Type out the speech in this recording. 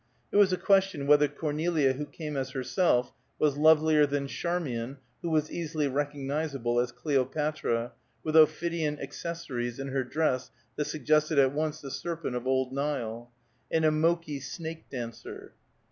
It was a question whether Cornelia who came as herself, was lovelier than Charmian, who was easily recognizable as Cleopatra, with ophidian accessories in her dress that suggested at once the serpent of old Nile, and a Moqui snake dancer.